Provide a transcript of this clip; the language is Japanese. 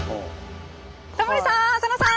タモリさん浅野さん！